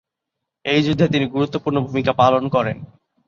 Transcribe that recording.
এই যুদ্ধে তিনি গুরুত্বপূর্ণ ভূমিকা পালন করেন।